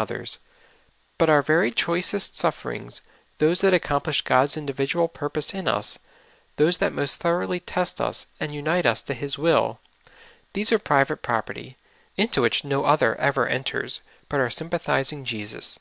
others ; but our very choicest sufferings, those that accomplish God's individual purpose in us, those that most thoroughly test us and unite us to His will, these are private property", into which no other ever enters but our sympathizing Jesus.